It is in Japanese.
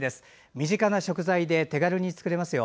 身近な食材で手軽に作れますよ。